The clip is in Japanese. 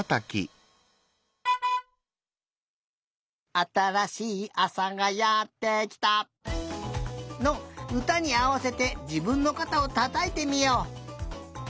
「あたらしいあさがやってきた」のうたにあわせてじぶんのかたをたたいてみよう！